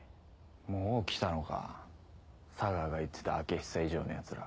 もう来たのか佐川が言ってた開久以上のヤツら。